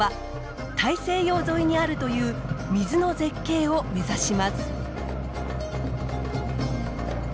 大西洋沿いにあるという水の絶景を目指します。